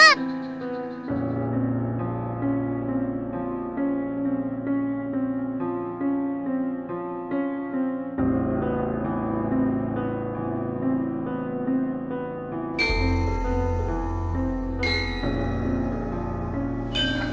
apaan sih lo berproses sepanjang jam